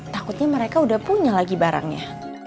takutnya mereka udah punya lagi barangnya